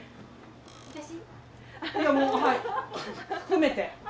いやもうはい含めて。